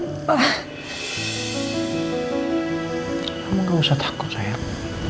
tidak usah takut sayang